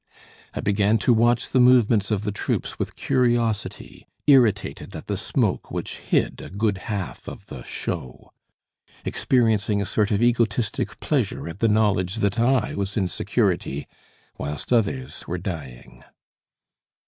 I began to watch the movements of the troops with curiosity, irritated at the smoke which hid a good half of the show, experiencing a sort of egotistic pleasure at the knowledge that I was in security, whilst others were dying.